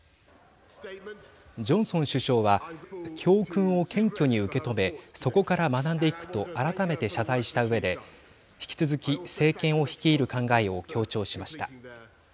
ジョンソン首相は教訓を謙虚に受け止めそこから学んでいくと改めて謝罪したうえで引き続き政権を率いる考えを強調しました。